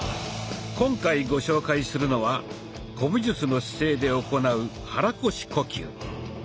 今回ご紹介するのは古武術の姿勢で行う肚腰呼吸。